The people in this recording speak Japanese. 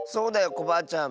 コバアちゃん。